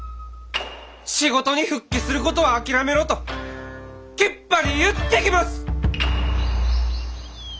仕事に復帰することは諦めろときっぱり言ってきます！